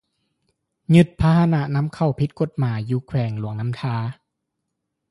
ຢຶດພະຫະນະນໍາເຂົ້າຜິດກົດໜາຍ ຢູ່ແຂວງຫລວງນໍ້າທາ